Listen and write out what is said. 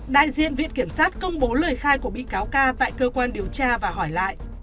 đại diện viện kiểm sát công bố lời khai của bị cáo ca tại cơ quan điều tra và hỏi lại